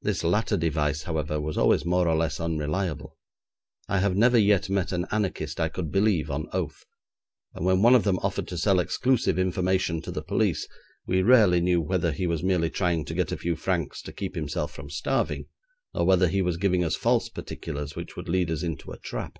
This latter device, however, was always more or less unreliable. I have never yet met an anarchist I could believe on oath, and when one of them offered to sell exclusive information to the police, we rarely knew whether he was merely trying to get a few francs to keep himself from starving, or whether he was giving us false particulars which would lead us into a trap.